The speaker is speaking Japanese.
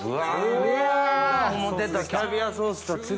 うわぁ思てたキャビアソースと違う。